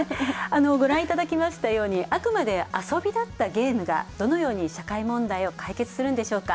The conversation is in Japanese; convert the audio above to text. ご覧いただきましたように、あくまで遊びだったゲームがどのように社会問題を解決するんでしょうか。